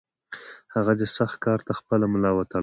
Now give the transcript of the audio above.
هغه دې سخت کار ته خپله ملا وتړله.